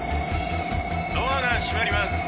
「ドアが閉まります。